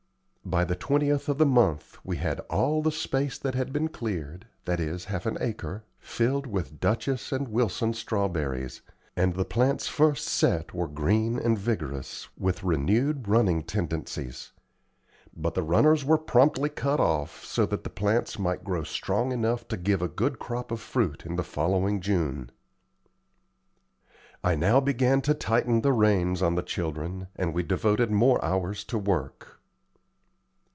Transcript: By the 20th of the month we had all the space that had been cleared, that is, half an acre, filled with Duchess and Wilson strawberries; and the plants first set were green and vigorous, with renewed running tendencies. But the runners were promptly cut off, so that the plants might grow strong enough to give a good crop of fruit in the following June. I now began to tighten the reins on the children, and we all devoted more hours to work.